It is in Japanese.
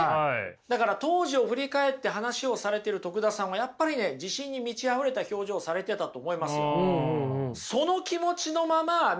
だから当時を振り返って話をされてる徳田さんはやっぱりね自信に満ちあふれた表情をされてたと思いますよ。